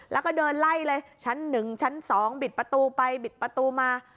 แล้วก็เดินไล่เลยชั้น๑ชั้น๒บิดประตูไปบิดประตูมา